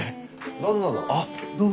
どうぞどうぞ。